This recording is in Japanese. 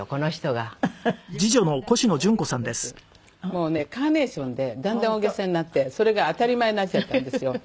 もうね『カーネーション』でだんだん大げさになってそれが当たり前になっちゃったんですよ。